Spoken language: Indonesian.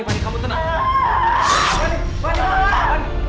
fani kamu tenang